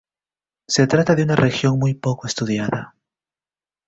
Se trata de una región muy poco estudiada.